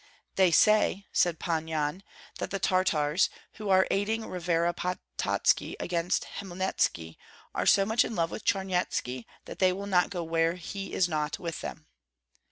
"They say," said Pan Yan, "that the Tartars, who are aiding Revera Pototski against Hmelnitski, are so much in love with Charnyetski that they will not go where he is not with them."